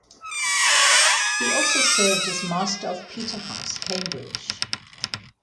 He also served as Master of Peterhouse, Cambridge.